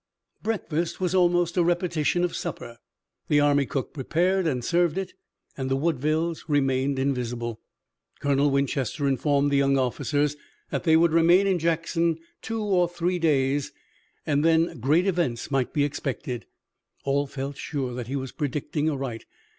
Breakfast was almost a repetition of supper. The army cook prepared and served it, and the Woodvilles remained invisible. Colonel Winchester informed the young officers that they would remain in Jackson two or three days, and then great events might be expected. All felt sure that he was predicting aright.